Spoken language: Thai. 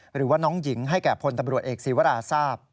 หรือว่าน้องหญิงให้แก่พลตำรวจเอกศีวราทราบ